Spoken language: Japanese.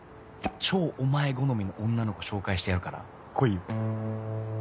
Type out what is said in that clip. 超お前好みの女の子紹介してやるから来いよ」。